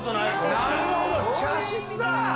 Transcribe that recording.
なるほど茶室だ！